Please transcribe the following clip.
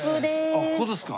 あっここですか。